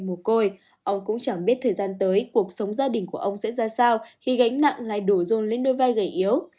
mồ côi ông cũng chẳng biết thời gian tới cuộc sống gia đình của ông sẽ ra sao khi gánh nặng lại đổ rồn lên đôi vai gầy yếu